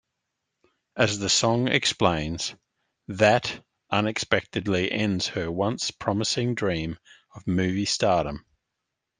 As the song explains, that unexpectedly ends her once promising dream of movie stardom.